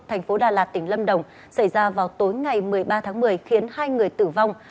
thành phố đà lạt tỉnh lâm đồng xảy ra vào tối ngày một mươi ba tháng một mươi khiến hai người tử vong